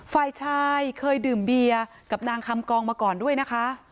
ฝ่ายชายเคยดื่มเบียร์กับนางคำกองมาก่อนด้วยนะคะ